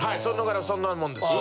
そんなもんです。